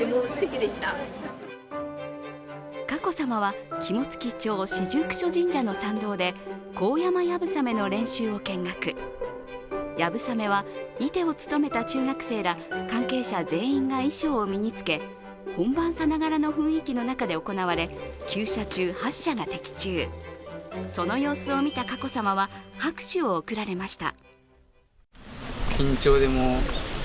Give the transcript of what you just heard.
佳子さまは肝付町、四十九所神社の参道で高山やぶさめの練習を見学、やぶさめは射手を務めた中学生ら関係者全員が衣装を身につけ本番さながらの雰囲気の中で行われ、９射中８射が的中、その様子を見た佳子さまは、拍手を送られました。